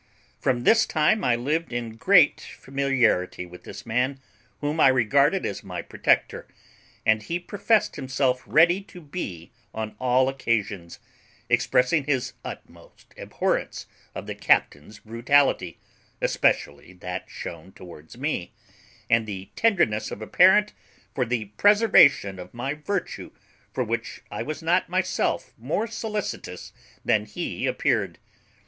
From this time I lived in great familiarity with this man, whom I regarded as my protector, which he professed himself ready to be on all occasions, expressing the utmost abhorrence of the captain's brutality, especially that shewn towards me, and the tenderness of a parent for the preservation of my virtue, for which I was not myself more solicitous than he appeared.